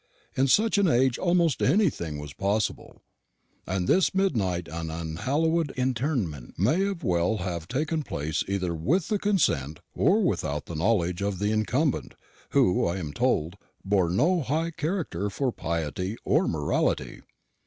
In such an age almost anything was possible; and this midnight and unhallowed interment may very well have taken place either with the consent or without the knowledge of the incumbent, who, I am told, bore no high character for piety or morality."